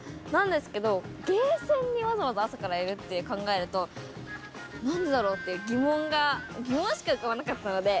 けどゲーセンにわざわざ朝からいるって考えると何でだろう？っていう疑問が疑問しか浮かばなかったので。